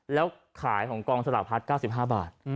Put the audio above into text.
แล้วขายของกองสลากพัด๙๕บาท